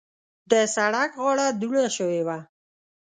د سړک غاړه دوړه شوې وه.